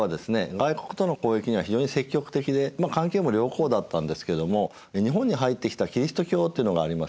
外国との交易には非常に積極的で関係も良好だったんですけども日本に入ってきたキリスト教というのがありますよね。